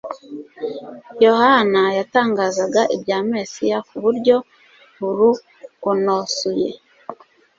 Yohana yatangazaga ibya Mesiya ku buryo buruonosoye.